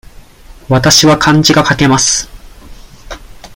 わたしは漢字が書けます。